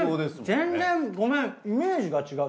全然ごめんイメージが違う。